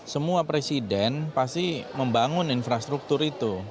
semua presiden pasti membangun infrastruktur itu